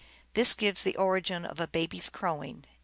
This gives the origin of a baby s crowing.